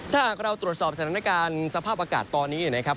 ถ้าหากเราตรวจสอบสถานการณ์สภาพอากาศตอนนี้นะครับ